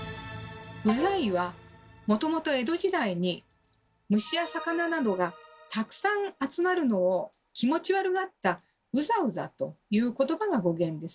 「うざい」はもともと江戸時代に虫や魚などがたくさん集まるのを気持ち悪がった「うざうざ」という言葉が語源です。